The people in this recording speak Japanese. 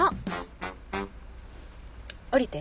降りて。